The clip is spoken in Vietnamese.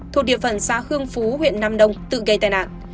thuộc địa phận xã khương phú huyện nam đông tự gây tai nạn